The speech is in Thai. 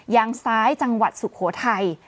ยางซ้ายจังหวัดสุโขทัย